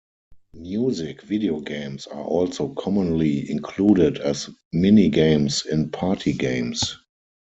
Music video games are also commonly included as minigames in party games.